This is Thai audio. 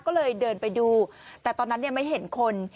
ก็เลยเดินไปดูแต่ตอนนั้นไม่เห็นคน